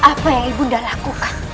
apa yang ibu nda lakukan